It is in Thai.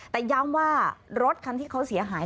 แต่ย้ำว่ารถคันที่เขาเสียหาย